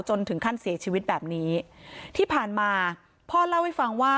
ถึงขั้นเสียชีวิตแบบนี้ที่ผ่านมาพ่อเล่าให้ฟังว่า